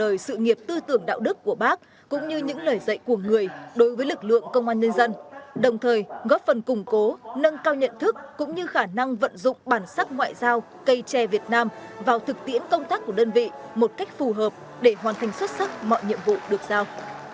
đời sự nghiệp tư tưởng đạo đức của bác cũng như những lời dạy của người đối với lực lượng công an nhân dân đồng thời góp phần củng cố nâng cao nhận thức cũng như khả năng vận dụng bản sắc ngoại giao cây tre việt nam vào thực tiễn công tác của đơn vị một cách phù hợp để hoàn thành xuất sắc mọi nhiệm vụ được giao